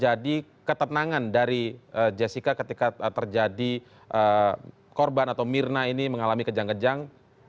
jadi ketenangan dari jessica ketika terjadi korban atau mirna ini mengalami kejang kejang